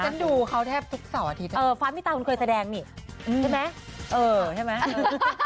ฉันดูเขาแทบทุกเสาร์อาทิตย์ฟ้ามีตาคุณเคยแสดงนี่ใช่ไหมเออใช่ไหม